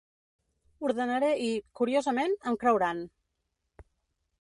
Ordenaré i, curiosament, em creuran.